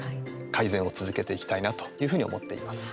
改善を続けていきたいなというふうに思っています。